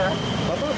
bapak dari arah mana